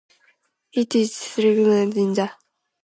It is still recognised in the Commonwealth of Independent States.